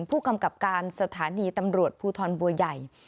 ผู้กำกับการสถานีตำรวจภูทรบัวใหญ่